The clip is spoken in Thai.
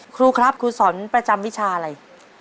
ครูครับครูสอนประจำวิชาอะไร